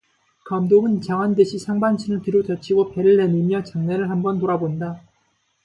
감독은 장한 듯이 상반신을 뒤로 젖히고 배를 내밀며 장내를 한 번 돌아본다.